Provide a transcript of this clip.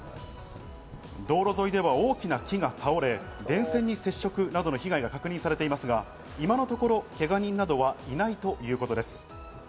道路沿いでは大きな木が倒れ電線に接触などの被害が確認されていますが、今のところけが人などはいないということです。